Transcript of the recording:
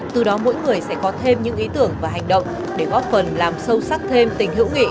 từ đó mỗi người sẽ có thêm những ý tưởng và hành động để góp phần làm sâu sắc thêm tình hữu nghị